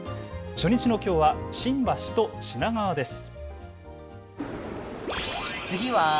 初日のきょうは新橋と品川です。